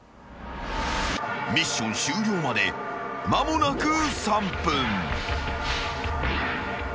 ［ミッション終了まで間もなく３分］